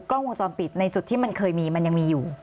กล้องวงจรปิดในจุดที่มันเคยมีมันยังมีอยู่